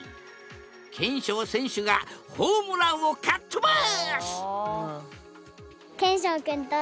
けんしょう選手がホームランをかっ飛ばす！